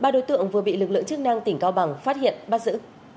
ba đối tượng vừa bị lực lượng chức năng tỉnh cao bằng phát hiện bắt giữ